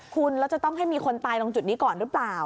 คุณแล้วจะต้องให้มีคนตายตรงจุดนี้ก่อนหรือเปล่า